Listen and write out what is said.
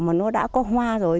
mà nó đã có hoa rồi